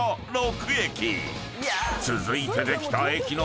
［続いてできた駅の］